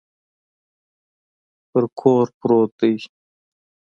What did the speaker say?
په کور پروت دی.